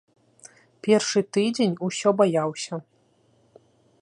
Першы тыдзень усё баяўся.